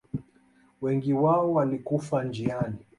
Wengi wao walikufa njiani.